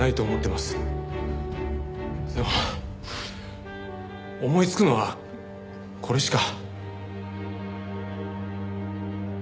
でも思いつくのはこれしか。